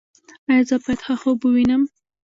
ایا زه باید ښه خوب ووینم؟